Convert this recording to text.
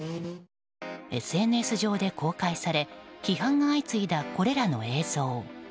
ＳＮＳ上で公開され批判が相次いだこれらの映像。